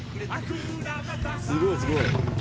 すごいすごい。